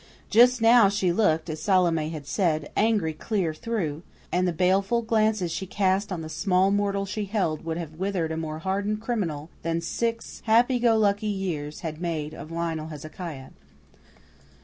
Just now she looked, as Salome had said, "angry clear through," and the baleful glances she cast on the small mortal she held would have withered a more hardened criminal than six happy go lucky years had made of Lionel Hezekiah.